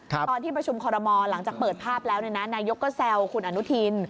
ตอนที่ประชุมคอรมอลหลังจากเปิดภาพแล้วนายกก็แซวคุณอนุทิน